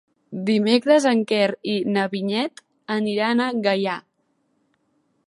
Dimecres en Quer i na Vinyet aniran a Gaià.